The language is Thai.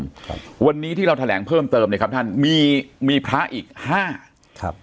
ครับวันนี้ที่เราแถลงเพิ่มเติมเนี้ยครับท่านมีมีพระอีกห้าครับ